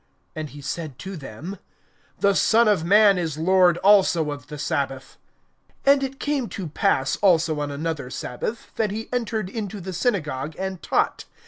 (5)And he said to them: The Son of man is Lord also of the sabbath. (6)And it came to pass also on another sabbath, that he entered into the synagogue and taught.